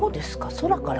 空から？